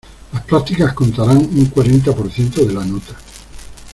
Las prácticas contarán un cuarenta por ciento de la nota.